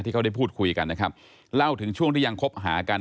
เขาได้พูดคุยกันนะครับเล่าถึงช่วงที่ยังคบหากัน